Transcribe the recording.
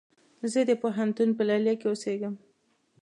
زه د پوهنتون په ليليه کې اوسيږم